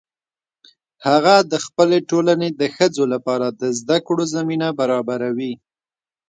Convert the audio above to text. هغه د خپلې ټولنې د ښځو لپاره د زده کړو زمینه برابروي